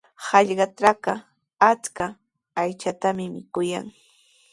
Hallqatrawqa achka aychatami mikuyan.